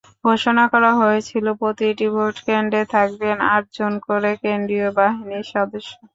ঘোষণা করা হয়েছিল, প্রতিটি ভোটকেন্দ্রে থাকবেন আটজন করে কেন্দ্রীয় বাহিনীর সদস্য।